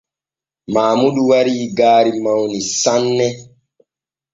Maamudu wari gaari mawni sanne.